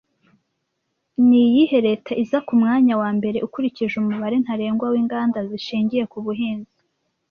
Ni iyihe leta iza ku mwanya wa mbere ukurikije umubare ntarengwa w'inganda zishingiye ku buhinzi